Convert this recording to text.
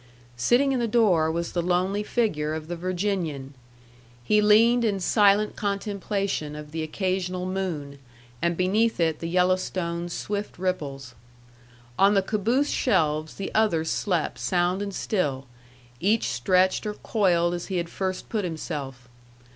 Sitting in the door was the lonely figure of the Virginian. He leaned in silent contemplation of the occasional moon, and beneath it the Yellowstone's swift ripples. On the caboose shelves the others slept sound and still, each stretched or coiled as he had first put himself.